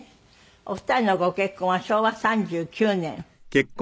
お二人のご結婚は昭和３９年１９６４年。